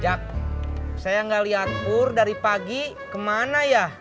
jak saya gak lihat pur dari pagi kemana ya